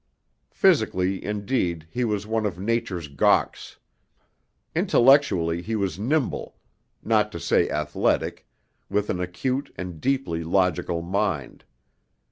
Physically, indeed, he was one of Nature's gawks; intellectually he was nimble, not to say athletic, with an acute and deeply logical mind.